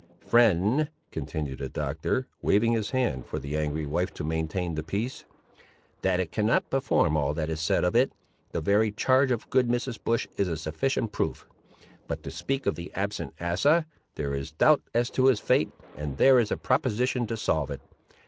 "Friend," continued the Doctor, waving his hand for the angry wife to maintain the peace, "that it cannot perform all that is said of it, the very charge of good Mrs. Bush is a sufficient proof. But to speak of the absent Asa. There is doubt as to his fate, and there is a proposition to solve it.